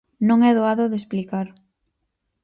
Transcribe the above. Non é doado de explicar.